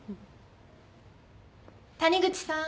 ・谷口さん。